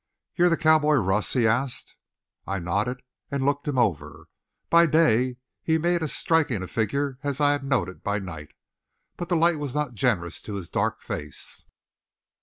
"You're the cowboy Russ?" he asked. I nodded and looked him over. By day he made as striking a figure as I had noted by night, but the light was not generous to his dark face.